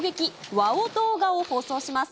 ウワォ動画を放送します。